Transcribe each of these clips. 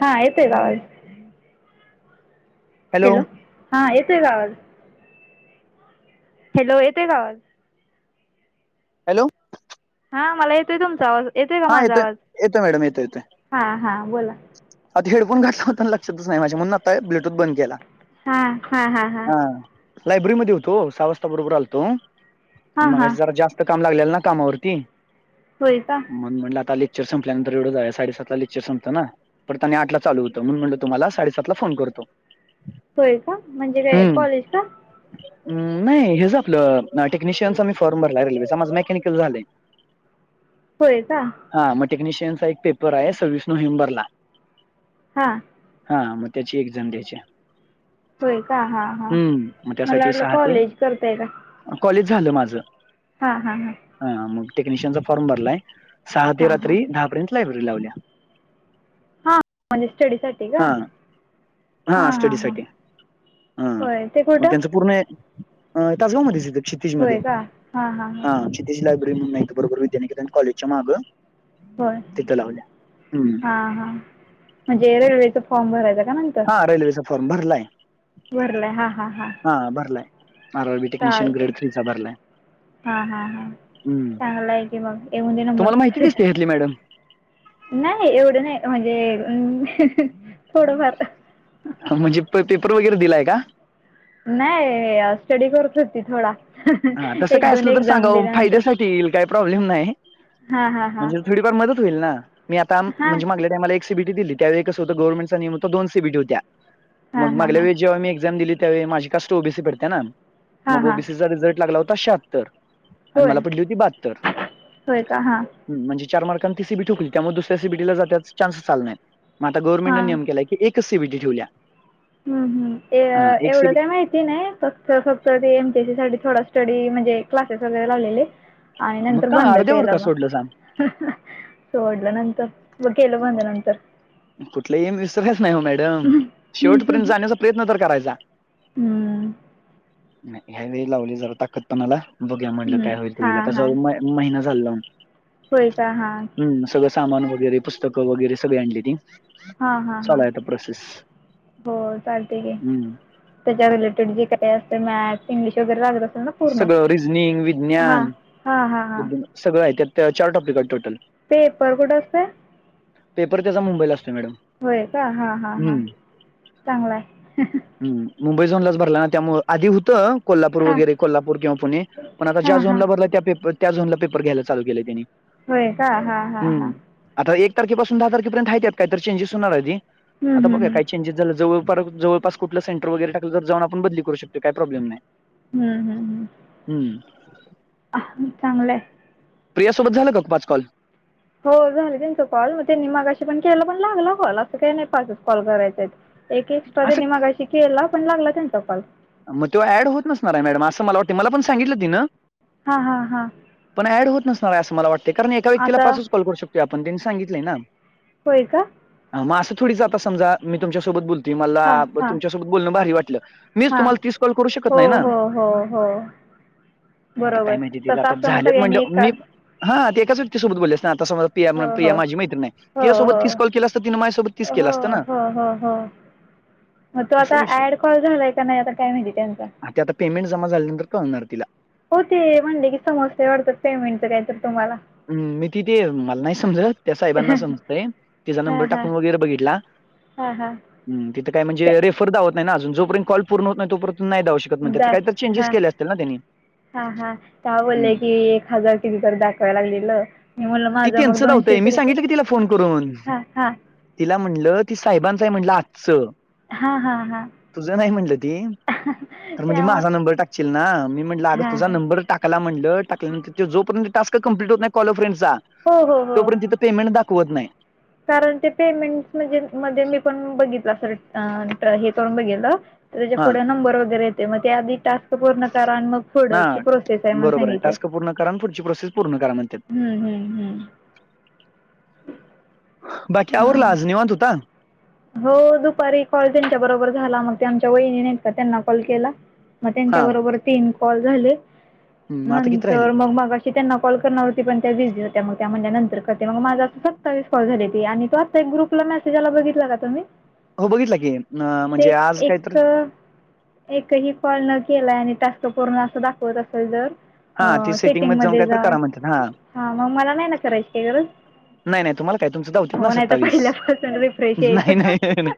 हा येतोय का आवाज हॅलो हा येतोय का आवाज हॅलो येतोय का आवाज हॅलो हा मला येतोय तुमचा आवाज येतोय का हा माझा आवाज येतोय मॅडम येतोय येतोय हा-हा बोला आता हेडफोन घातला होता ना लक्षातच नाही माझ्या म्हणून आता ब्लूटूथ बंद केला हा-हा-हा-हा हा लायब्ररीमध्ये होतो ओ सहा वाजता बरोबर आलतो हा हा मगाशी जरा जास्त काम लागलेल ना कामावरती होय का मग म्हटलं आता लेक्चर संपल्यानंतर [unintelligible] साडेसात ला लेक्चर संपत ना परत आणि आठ ला चालू होत म्हणून म्हणलं तुम्हाला साडेसात ला फोन करतो होय का म्हणजे काय हम्म कॉलेज का नाही हेच आपलं टेक्निशियनचा मी फॉर्म भरलाय रेल्वेचा माझ मेकॅनिकल झालय होय का हा मग टेक्निशियनचा एक पेपर आहे सव्वीस नोव्हेंबर ला हा हा मग त्यांची एक्झाम द्यायची होय का हा, हा हम्म मग मला त्यासाठी वाटलं सहा ते कॉलेज करताय का कॉलेज झालं माझं हां हां हां हा मग टेक्निशियनचा फॉर्म भरलाय सहा हा ते हा रात्री दहा पर्यंत लायब्ररी लावल्या. हा म्हणजे स्टडी साठी का हा हा स्टडी साठी हा होय ते मग कुठं त्यांचं पूर्ण अ तासगांव मध्येचं येत क्षितिज मध्ये हा क्षितिज लायब्ररी म्हणून आहे बरोबर विद्यानिकेतन कॉलेजच्या मागं होय तिथं लावल्या. हम्म हा, हा म्हणजे रेल्वेचा फॉर्म भरायचं काय म्ह रेल्वे चा फॉर्म भरलाय भरलाय हा, हा, हा हा भरलाय, R R B technician grade three चा भरलाय हां हां हां चांगला आहे की मग येऊंदे नंबर किती [inaudible] मॅडम नाही एवढं नाही म्हणजे थोडंफार म्हणजे प पेपर वगैरे दिलाय का नाही स्टडी करत होती थोडा हा तसं एक काय दोन असलं तर सांगा एक्झाम ओ दिल्यानंतर फायद्यासाठी येईल काय प्रॉब्लेम नाही. हा हा हा म्हणजे थोडीफार मदत होईल ना, मी आता हा म्हणजे माग एक सीबीटी दिली त्यावेळी कसं होतं गव्हर्नमटचा नियम होता दोन सीबीटी होत्या हा मग हा मागल्या हा वेळेस जेव्हा मी एक्झाम दिली त्यावेळी माझी कास्ट ओबीसी पडते, ना हा मग हा ओबीसीचा रिझल्ट लागला होता शहात्तर आणि होय मला पडली होती, बहात्तर होय का हां ह म्हणजे चार मार्कने ती सीबीटी ठोकली त्यामुळे दुसऱ्या सीबीटी जातच चान्सच आला नाही. मग आता गव्हर्मेंटंन हां नियम केला की एकच सीबीटी ठेवल्या हम्म हम्म हां एक एवढं सीबी काय माहिती नाही फक्त तर फक्त ते एमटीसी साठी थोडा स्टडी म्हणजे क्लासेस वगैरे लावलेले. आणि मग नंतर का बंद अर्ध्यावर का केलं सोडलं सांग? मग सोडल नंतर मग केलं अं, बंद नंतर कुठलं एम विसरायचं नाही हो मॅडम शेवटपर्यंत हं, जाण्याचा प्रयत्न तर करायचा नाही ह्या वेळी लावली जरा ताकद पणाला बघूया म्हणलं काय हं. होईल ते होईल हां, आता जवळ हां. म महिना झालं लावून होय का हां हम्म सगळं सामान वगैरे पुस्तकं वगैरे सगळी आणलीती हा हा हा हो चालतंय की हम्म. त्याच्या रिलेटेड [inaudible] मॅथ्स इंग्लिश वगैर सगळं रिजनिंग विज्ञान हां, हां, हां. बुद्धि सगळं आहे त्यात चार टॉपिक आहेत टोटल पेपर कुठं असतोय पेपर त्यांचा मुंबईला असतोय मॅडम होय का हा हां हां हम्म. चांगलाय ह मुंबई झोनलाच भरला ना त्यामुळं आधी होतं कोल्हापूर हां, वगैरे कोल्हापूर किंवा पुणे पण आता ज्या हां, हां. झोनला भरला त्या त्या झोनला पेपर घ्यायला चालू केलं त्यांनी होय का हा हा हम्म. हा आता एक तारखेपासून दहा तारखेर्यंत हाय त्यात काहीतरी चेंजेस होणार हायती हम्म आता हम्म बघूया हम्म काय चेंजेस झालं जवळप जवळ पास कुठलं सेंटर वगैरे टाकलं तर जाऊन आपण बदली करू शकतो काही प्रॉब्लेम नाही. हम् हम्, हम्म, ह, चांगलंय. प्रियासोबत झालं का पाच कॉल. हो झालं त्यांचा कॉल मग त्यांनी मगाशी पण केला पण लागला कॉल असं काही नाही पाच कॉल करायचे हाय. एक एक्स्ट्रा असं त्यांनी मगाशी केला पण लागला त्यांचा कॉल. मग तो ऍड होत नसणार हे मैडम आहे असं मला वाटतं मला पण सांगितल तिनं. हा हा हा, पण ऍड होत नसणार आहे असं मला वाटत कारण एका व्यक्तीला आता पासच कॉल करू शकतो आपण त्यांनी सांगितलंय ना. होय का, मग असं थोडीच आता समजा मी तुमच्यासोबत बोलते मला हां हां तुमच्यासोबत बोलणं भारी वाटलं. मीच हां तुम्हाला तीस कॉल करू शकत हो नाही ना. हो हो हो मग आता बरोबर काय माहिती तेज तसं आता असतं मग झालेत सगळ्यांनी म्हटलं मी एकाच हा ते एकाच व्यक्ती सोबत बोललेस आता समज. प्रिया हो हो प्रिया माझी मैत्रीण हो हो तियासोबत तीस कॉल केला असत तिनें माझ्यासोबत तीस हो केला असत ना. हो हो हो मग तो असं आता विषय ऍड कॉल झालाय का नाही आता काय माहिती त्यांचा. ते आता पेमेंट जमा झाल्यानंतर कळणार तिला. हो ते म्हणले की, समोस्यावरत पेमेंटच काय तर तुम्हाला. हम तिथे मला नाही समजत त्या साहेबांना समजतय तिचा टाकून वगैरे बघितला. हा हा, हम्म, तिथं काय म्हणजे रेफर दावत ना अजून जोपर्यंत कॉल पर्ण होत नाही तोपयंत नाही जाऊ शकत. म्हणतात. द तर काहीतरी चेंजेस हा केले असतील ना त्यांनी. हा हा, त्या बले हं. की एक हजार. टीव्हीवर दाखवायला लागलेलं. मी म्हणलं ति माझं मग तीचं धावतंय दोनशेच मी रुपये सांगितलं की तिला फोन करून. हां हां तिला म्हटलं ती साहेबांचं आहे म्हटलं आजचं. हा हा हा, तुझं नाही म्हटलं ती. तर म्हणजे त्यामुळे माझा नंबर टाकशील ना मी म्हटलं आग हां तझा हां नंबर टाक. तिला म्हटलं टाकल्यानंतर जोपर्यंत टास्क कंप्लीट होत नाही कॉल फ्रेंडचा हो हो हो तोपर्यंत तिथं. पेमेंट दाखवत नाही. कारण ते पेमेंट म्हणजे मध्ये मी पण बघितलं सर हे करण बघितलं. त्याच्या हां, पुढे नंबर वगैरे येते मग ते आधी टास्क पूर्ण करा आणि मग. फुडची हां. प्रोसेस आहे म बरोबर सांगितलं टास्क पूर्ण करा आणि पुढची प्रोसेस पूर्ण करा म्हणतात. हम्म हम्म्, बाकी हा आवरलं आज निवांत होता. हो दुपारी कॉल त्यांच्या बरोबर झाला मग ते आमच्या वहिनीनेत का त्यांना कॉल केला. मग त्यांच्या हां. बरोबर तीन कॉल झाले हं, आता किती नंतर राहिलेत? मग मगाशी. त्यांना कॉल करणार होती. पण त्या बिझी होत्या मग त्या म्हणल्या नंतर करते मग माझा सत्तावीस कॉल झाली ती आणि तो आत्ता एक ग्रुप. ग्रुपला मेसेज आला बघितला का तुम्ही? हो, बघितला की, न ते म्हणजे आज काय तर. एक एकही कॉल न केला आणि टास्क पूर्ण असं दाखवत असेल जर. हा ती ह सेटिंग जाऊन मध्ये काय तर जा करा म्हणतात हा मग मला नाही ना करायची गरज. नाही नाही तुम्हाला काय तुमचं धावत्यात हो नाहीतर पहिल्यापासून रिफ्रेश यायचं. हे हे नाही,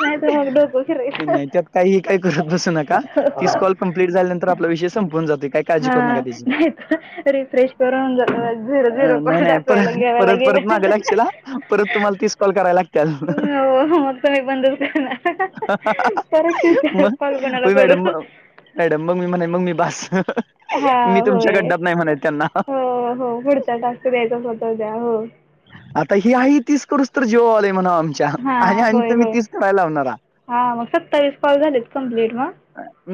नाहीत मग डोको फिरयच. नाही त्यात काही काय करत बसू नका तीस कॉल कम्प्लीट झाल्यानंतर आपला विषय संपून जातोय काय काळजी करू हा, नका त्याची नाही तर रिफ्रेश करून झालं झिरो झिरो अं, नाही कल नाही दाखवायला परत घ्यावा परत लागेल. परत माग लागेचीला परत तुम्हाला तीस कॉल कराय लागतील. हो मगं तुम्हीं मं बंदच करणारं परतं तीस कॉल कोणांला करूं हॅडम मम्मी म्हणले बसं तिथं हं हं हां होयं हो हो पुढचां टास्क द्यायचं फक्तं द्या हो आंता ही आहे तीचं करूंण तरं जीवांवर आले म्हणां आम्हीं हां होयं होयं हां मगं सत्तावीस कॉल झालेत कमप्लीट मगं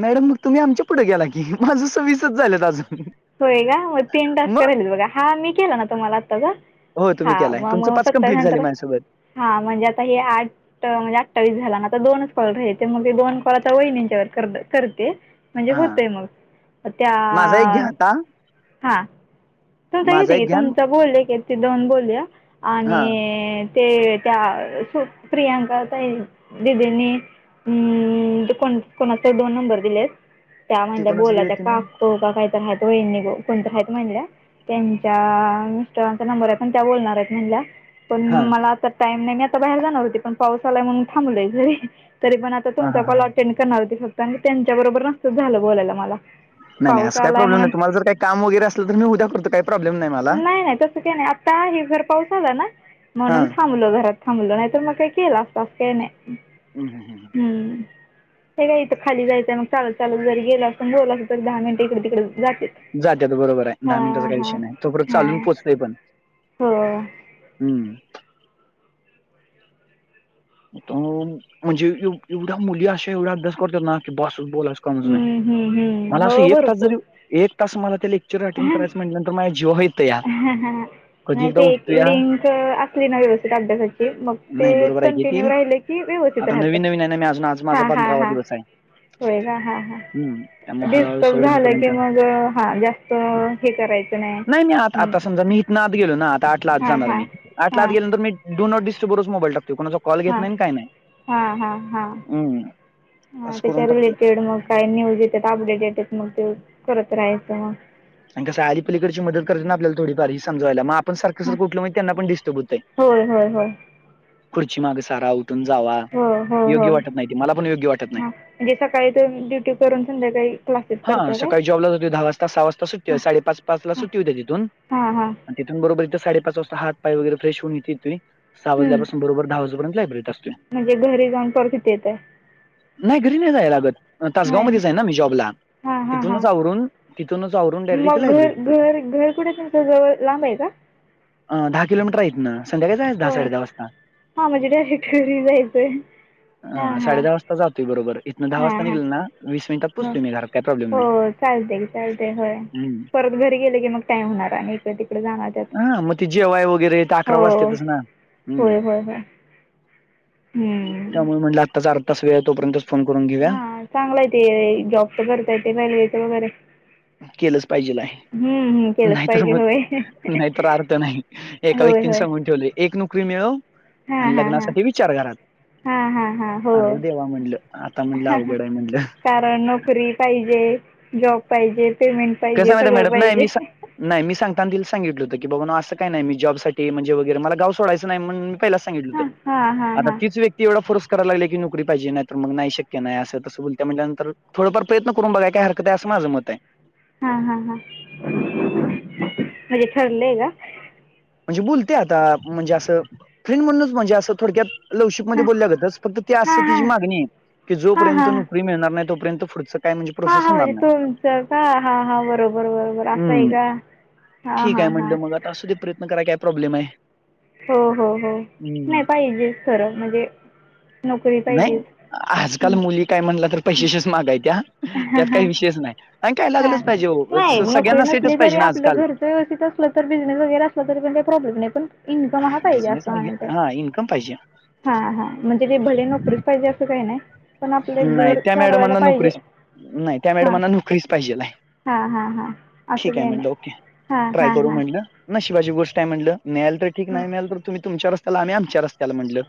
मॅडम मगं तुम्हीं आमच्या पुढे गेला की माझं सविसच झालंत अजूंन फक्तं होयं कां मगं तीनं टास्क करेलच बघां हां मी केलां नां तुम्हांला आंत्ता गं हो, तुम्ही हां केलाय. मगं तुमचं मगं सत्तावीस कंप्लीट झाले नंतर माझ्यासोबत. हां म्हणजे आंता हे आठ म्हणजे अठ्ठवीस झालां नां आंता दोनचं कॉल राहायचे मगं ते दोन कॉल आंता वहिनींच्या व करते म्हणजे हां. होतंय मगं माझा घ्या त्यां आता. हां तुमचं माझा घेते की घ्या अन् तुमचां बोलले की तं दोन बोलूं हां. आणि ते त्यां प्रियांका दिदींनी हम्मं कोणं कोणांचा दोन नंबर दिलेस त्यां ती म्हणल्यां कोणाचं बोलां दिलं त्यां तिनं? काकूं कोणं तरं वहिनी कोणं तरं ह्यांत म्हणल्यां त्यांच्या मिस्टरांचा नंबर आहे पणं त्यां बोलणारं आहेतं म्हणल्यां हां. पणं मलां टाईम नाहीं आंता बाहेर जाणारं होती पणं पाऊस आलांयणूंन थांबलोय जरी तरी पणं आंता हां, तुमचां हां, हां, हां. कॉलटें करणारं ती फक्तं आणि त्यांच्या बरोबर नसतंच झालं बोलायंला मलां नाहीं असं कांहीं प्रॉब्लेम नाहीं तुम्हांला कामं वगैरें असलं तरं मं उद्या करतो कां प्रॉब्लेम नाहीं मलां नाहीं नाहीं तसं कांहीं नाहीं आंता हे घरं पाऊस आंला नां म्हणूंन हां. थांबल घरांत थांबल नाहीं तरं मगं कां केलां तास कांहीं नाहीं हम्मं हम्मं हम्मं हे कायं इथं खांली जायचं मगं चांल चांल ज गेलं असूंन बलं असलं तरं दहा मिनिटं इकडे तिकडे जाते जाते तरं बरोबर आहे दहा मिनिटांचा कांहीं विषय नाहीं तो परंत चालूंन हां पोचतंय पणं हो हम्मं ते म्हणजे एवढ्यां मुली अशां एवढां अभ्यास करतांत नां की बसं बोलां हम्म, हम्म, हम्म. मलां. असं हो एक तांस भरपूर जरी लेक्चर अटेंड हां करायचं म्हणजे माझ्यां जीवांवर येतांत हां हां नाहीं ते एक या लिंक असली नां व्यवस्थित अभ्यासाची मगं ते नाही कंटिन्य बरोबर आहे की ती कंटिन्यू राहिलं की मगं व्यवस्थित आता राहतं नवीन नवीन आहे ना मी अजून आज माझा पंधरावा दिवस आहे होयं कां हां हम्म हां त्यामुळे हळूहळू डिस्टर्ब सवय झालं होईपर्यंत की मगं हां जास्तं तरं हे करायचं नाहीं नाही मी आं आंता समजां मी इथनां आंत गेलो नां आंता आंठ लां आंत हां जाणारं हां मी आंठ हां लांत गेलो तरं मी डूं नॉट डिस्टर्बरच मोबाईल टाकतो कोणांचा कॉल घेतं नाहीं कांहीं हां हां हां नाहीं हां त्यांच्या रिलेटेड मगं कायं न्यूजचं येते अपडेटेट मगं ते करतं राहायचं मगं आणि कसं आलीडची मदतं करते नां आपलां थोडीफांर हे सजांयला मं पणं सारखं हां सारखं उठलं मां त्यांना पणं डिस्टर्ब होतंय होय होय होय खुर्ची मागं सांरा उठूंन जांवा हो हो हो हं नाही म्हणजे सकाळीं ते ड्युटी करूंन संध्याकांळी हां सकाळीं जॉबलांच होते दहा वाजंता सहा वाजंता सुट्टी साडेपांच पांच लां हां सुट्टी होते तिथूंन हां हां आणि तिथूंन नं बरोबर इथं साडेपांच पांय वगैरे फेश होनं येते ते सहा हम्म. वाजल्यांपासून बरोबर दहा वाजेपर्यंत लायब्ररीत असतोय. येतं आहे नाहीं घरी नाहीं जातं लागतं तासंगावं होय ना मध्यें जां आहे नां मी जॉबला हां हां हां तिथूंनचं आवरूंन तिथूंनचं आवरूंन मग घर घर घर कुठे तुमच जवळ, लांब आहे का? अ, दहा किलोमीटर आहे इतन. संध्याकाळच जायाच दहा, होय साडे दहा वाजता, हां म्हणजे डायरेक्ट घरी जायचं आहे हां अ हां साडे दहा वाजता. जातोय बरोबर इतना दहा हां वाजता हां निघाल ना, वीस मिनिटात पोचतोय मी घरात, काय प्रॉब्लेम नाय. चालतय की. चालतय होय, परत घरी गेले की मग टाइम होणार आणि इकड तिकड जाणार त्यात हा म ते जे हो, होय होय होय. त्यामुळ म्हटलं आत्ताच अर्धा तास वेळ, तोपर्यंतच फोन करून घेऊया. चांगलय ते, जॉब तर करता येते रेल्वेच वगैरे केलंच पाहिजेलाय. हम्म हं. नाहीतर मग, नाहीतर अर्थ नाही एका होय व्यक्तीन होय सांगून ठेवलय. एक नोकरी मिळव, आणि लग्नासाठी विचार घरात. हा हा हा ह अर देवा म्हणलं, आता म्हणलं अवघड आहे म्हणलं. कारण नोकरी पाहिजे, जॉब पाहिजे, पेमेंट कसं पाहिजे माहिती सगळं मॅडम नाही मी पाहिजे. सा- नाही मी सांगताना तिला सांगितल होतं की बाबा नो असं काय नाय, मी जॉबसाठी म्हणजे वगैरे, मला गाव सोडयच नाही म पहिलाच सांगितल होत, हां हां हां आता हां तिच व्यक्त क्ती एवढा फोर्स कराय लागल्या की नोकरी पाहिजे नाही तर म नाही शक्य नाही, असं तसं बोलत्या म्हणल्यांतर थोडफार प्रयत्न करून बघाय काय हर- कत आहे अस माझ मत आहे. हा हा हा, म्हणजे ठरलय का? म्हणजे बुलत्या आता, म्हणजे असं फ्रेंड म्हणूनच म्हणजे असं थोडक्यात लवशिपमध्ये बोलल्या गतच फक्त ते अस हां तिची हां मागणी आहे, की हां हां जोपर्यंत नोकरी मिळणार नाही तोपर्यंत पुुढच हा हा म्हणजे तुमच का, हा हा बरोबर बरोबर अस आहे हम्म का? हा हा हा. असूदेत प्रयत्न कराय काय प्रॉब्लेम आहे. हो हो हो, नाही हम्म पाहिजेच खरं म्हणजे नोकरी नाही पाहिजेच, आजकाल हम्म मुली काय म्हणलं तर पैशेच्याच मागाय त्या, त्यात हां काय हां विषयच नाय. आणि काय हा लागलच पाहिजे ओ, नाही स नोकरी सगळ्यांना सेटच नसली तरी पाहिजे ना आपलं आजकाल. घरचं व्यवस्थित असलं तर बिझनेस वैगरे असला तरी पण काही प्रॉब्लेम नाही पण इन्कम हा पाहिजे बिझनेस असं नाही म्हणायचय. हा इन्कम पाहिजे. हा हा, म्हणजे ते भले नोकरीच पाहिजे असं काय नाय. नाही त्या मॅडमांना नोकरीच, नाही त्या हां मॅडमांना नोकरीच पाहिजेल हाय. हां हां हां असं ठीक आहे, काही म्हणल नाही ओके हां ट्राय हां करू हां म्हणल. नशिबाची गोष्ट आहे म्हटलं, मिळाल तर ठीक नाही मिळाल तर तुम्ही तुमच्या रस्त्याला आम्ही आमच्या रस्त्याला म्हंटल.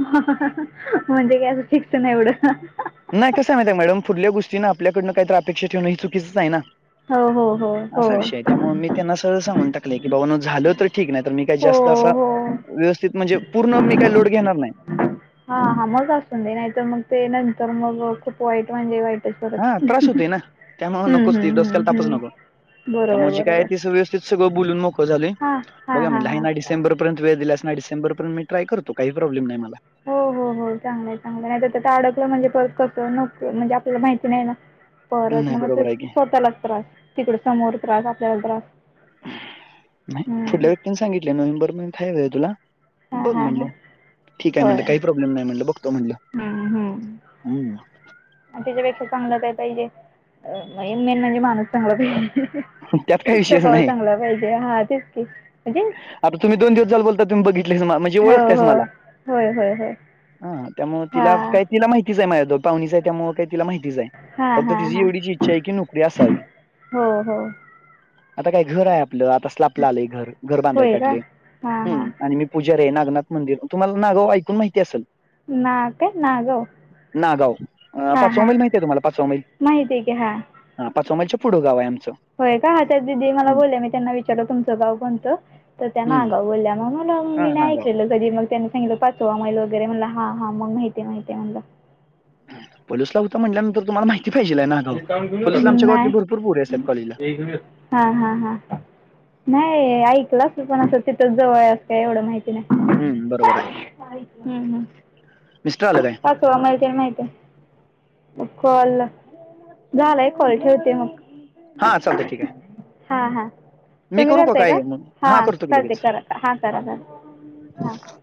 म्हणजे काय असं फिक्स नाही एवढं. नाही कसं माहित आहे मॅडम, पुढल्या गोष्टीं ना आपल्याकडन काहीतर अपेक्षा ठेवण हे चुकीचच आहे ना. हो हो हो हो असा विषय हाय त्यामुळ मी त्यांना सरळ सांगून टाकलय की, बाबानु झालं तर ठीक नाही तर मी काही जास्त हो असा हो व्यवस्थित म्हणजे पूर्ण मी काही लोड घेणार नाही. हा हा, मग असुं दे नाहीतर मंग ते नंतर मग अ खूप वाईट म्हणजे वाईट हा त्रास होतय ना, त्यामुळ नकोच ते हम्म डोसक्याला हम्म तापच हम्म नको. बरोबर त्यामुळे जी काय आहे बरोबर तीच व्यवस्थित सगळं बोलून मोकळ झालोय हा हा बघू या हा म्हणलं आहे हा ना डिसेंबर पर्यत वेळ दिलास ना. डिसेबरपर्यंत मी ट्राय करतो. काही प्रॉब्लेम नाही मला. हो हो हो चांगलं आहे. चांगला आहे. नाहीतर त्यात अडकल म्हणजे परत कस नको, म्हणजे आपल्याला माहिती नाही ना. परत न नाही मग ते बरोबर आहे की स्वतःलाच त्रास. तिकड समोर त्रास. आपल्याला त्रास. नाही हम्म पुुढल्या व्यक्तीनी सांगितले. नोव्हेंबर पर्यंत आहे वेळ तुला. हा बघ हा हा म्हणल्या. ठीक आहे म्हणल होय काही प्रोब्लेम नाही म्हणल. बघतो म्हणल. हम्म हम्म हम्म आणि त्याच्यापेक्षा चांगल काय पाहिजे. इन मिन म्हणजे माणूस चांगला पाहिजे. त्यात काही विषयच स्वभाव नाही चांगला पाहिजे. हा तेच की. म्हणजे हा प, तुम्ही दोन दिवस झाल बोलता. तुम्ही बघितलसा, म्हणजे हो ओळखतायस हो मला. होय होय होय हा त्यामुळे हा तिला काही तिला माहितीच आहे माझ पाहुणीच आहे. त्यामुळे काही तिला माहितीच आहे. हा फक्त हा तिची हा एवढीची इच्छा आहे की नोकरी असावी. हो हो आता काय घर आहे आपल. आता स्लापला आलय घर. घर बांधाय होय का काढले. हां हां आणि मी पुजारी आहे. नागनाथ मंदिर, तुम्हाला नागाव ऐकून माहिती असल. ना काय? नागव नागाव. पाचवा मैल आहे तुम्हाला? पाचवा मैल. माहिती आहे की हां हा, पाचवा मैलाच्या पुढ गाव आहे आमच. होय का, त्या दिदी मला बोलल्या, मी त्यांना विचारल तुमच गाव कोणत. तर त्या हम्म नागाव बोलल्या. मग म हा मी नाही नागाव ऐकलेल कधी. मग त्यांनी सांगितलं पाचवा मैईल वगैरे म्हणल. हा हा मग माहिती आहे. माहित आहे म्हणल. पोलीसला होता म्हटल्यानंतर तुम्हाला माहिती पाहिजे नागाव. पोलीसला आमच्या गावातली भरपूर पोरी असतात कॉलेजला. [unintelligible] हा हा हा नाही ऐकल असल, पण अस तिथच जवळ आहे अस काय एवढ माहित नाही. हं, बरोबर आहे. हम्म हम्म मिस्टर आल काय? पाचवा मैल ते माहिती आहे. कॉल, झालाय कॉल ठेवते मग. हा, चालतय ठीक आहे. हां हां मी तुम्ही करू का करताय काय मग. हा हां करतो की करते लगेच. करा हां करा करा हां [inaudible]